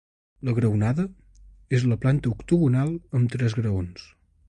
La graonada és de planta octogonal amb tres graons.